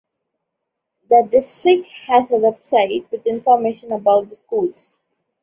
The district has a web site with information about the schools.